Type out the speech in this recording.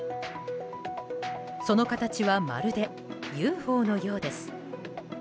その形はまるでＵＦＯのようです。